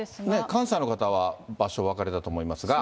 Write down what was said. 関西の方は場所お分かりだと思いますが。